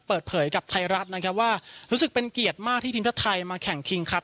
เปิดเผยกับไทยรัฐนะครับว่ารู้สึกเป็นเกียรติมากที่ทีมชาติไทยมาแข่งคิงครับ